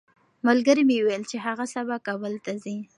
ملګري مې وویل چې هغه سبا کابل ته ځي.